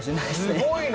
すごいな。